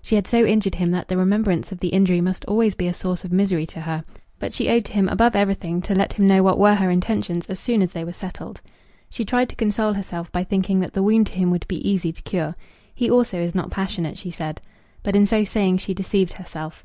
She had so injured him that the remembrance of the injury must always be a source of misery to her; but she owed to him above everything to let him know what were her intentions as soon as they were settled. She tried to console herself by thinking that the wound to him would be easy to cure. "He also is not passionate," she said. But in so saying she deceived herself.